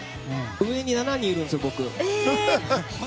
上に７人いるんですよ。